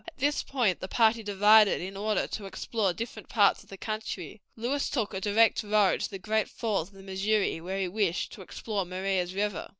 At this point the party divided in order to explore different parts of the country. Lewis took a direct road to the Great Falls of the Missouri, where he wished to explore Maria's River.